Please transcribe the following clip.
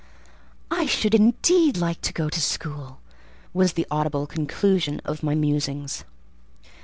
"I should indeed like to go to school," was the audible conclusion of my musings.